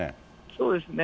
そうですね。